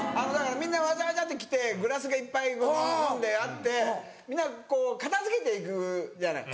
みんなわちゃわちゃって来てグラスがいっぱい飲んであってみんなこう片付けていくじゃない。